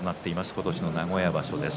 今年の名古屋場所です。